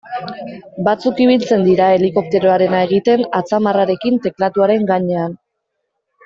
Batzuk ibiltzen dira helikopteroarena egiten atzamarrarekin teklatuaren gainean.